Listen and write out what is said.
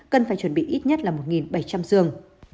cần phải chuẩn bị ít nhất là một bảy trăm linh giường